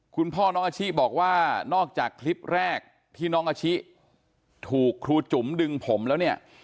คุณพ่อน้องอาชิบอกว่านอกจากคลิปแรกที่น้องอาชิถูกครูจุ๋มดึงผมแล้วเนี่ย